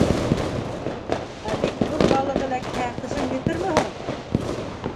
— Ә бик ҙур балыҡ эләкһә, көсөң етерме һуң?